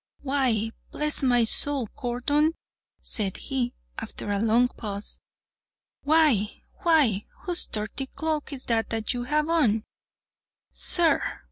"Why, bless my soul, Gordon," said he, after a long pause, "why, why,—whose dirty cloak is that you have on?" "Sir!"